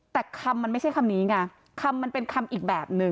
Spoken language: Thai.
แต่คำมันไม่ใช่คำนี้ไงคำมันเป็นคำอีกแบบนึง